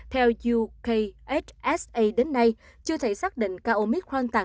theo ukhsa đến nay chưa thể tìm ra